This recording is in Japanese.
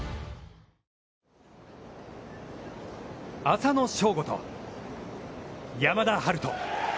浅野翔吾と山田陽翔。